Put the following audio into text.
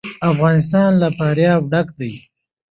افغانستان له فاریاب ډک دی.